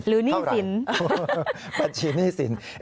หรือหนี้สินเข้าไหร่บัญชีหนี้สิน